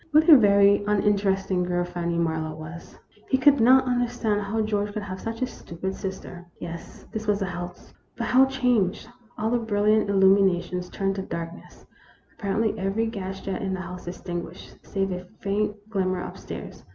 What a very un interesting girl Fanny Marlowe was ! He could not understand how George could have such a stupid sister. THE ROMANCE OF A SPOON. 1 8/ Yes, this was the house ; but how changed ! All the brilliant illuminations turned to darkness. Ap parently every gas jet in the house extinguished, save a faint glimmer up stairs.